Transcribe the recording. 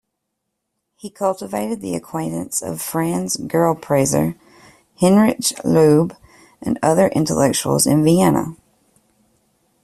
He cultivated the acquaintance of Franz Grillparzer, Heinrich Laube, and other intellectuals in Vienna.